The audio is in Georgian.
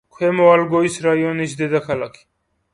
ქვემო ალგოის რაიონის დედაქალაქი.